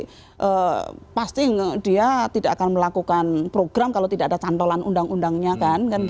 jadi yang paling penting dia tidak akan melakukan program kalau tidak ada cantolan undang undangnya kan